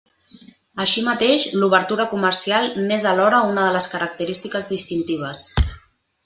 Així mateix, l'obertura comercial n'és alhora una de les característiques distintives.